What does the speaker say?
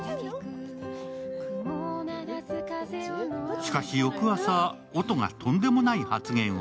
しかし翌朝、音がとんでもない発言を。